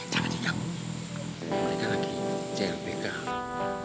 jangan jangan mereka lagi clpk